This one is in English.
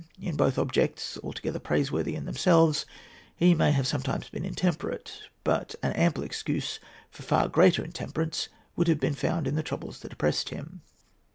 In both objects, altogether praise worthy in themselves, he may have sometimes been intemperate; but ample excuse for far greater intemperance would be found in the troubles that oppressed him.